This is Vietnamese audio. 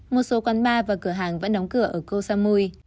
một số quán bar và cửa hàng vẫn đóng cửa ở koh samui